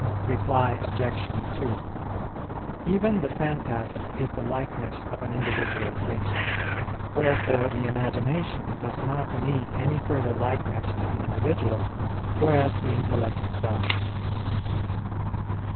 Reply Obj. 2: Even the phantasm is the likeness of an individual thing; wherefore the imagination does not need any further likeness of the individual, whereas the intellect does.